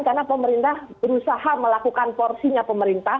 karena pemerintah berusaha melakukan porsinya pemerintah